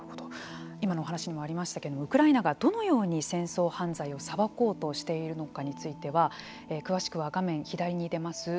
今のお話にもありましたがウクライナがどのように戦争犯罪を裁こうとしているのかについては詳しくは画面左に出ます